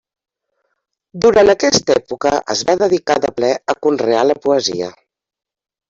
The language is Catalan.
Durant aquesta època es va dedicar de ple a conrear la poesia.